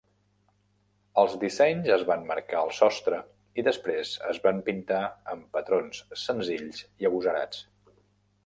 Els dissenys es van marcar al sostre i després es van pintar amb patrons senzills i agosarats.